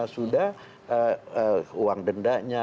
sudah uang dendanya